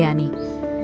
ia menemani pasien